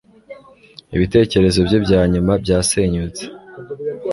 Ibitekerezo bye bya nyuma byasenyutse